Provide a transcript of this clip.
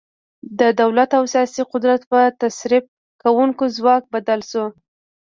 د دولت او سیاسي قدرت په تصرف کوونکي ځواک بدل شو.